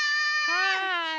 はい。